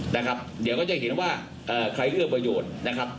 นะครับเดี๋ยวก็จะเห็นว่าเอ่อใครเอื้อประโยชน์นะครับ